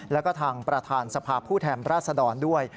แล้วก็ทางประธานสภาพผู้แทนราชดรด้วย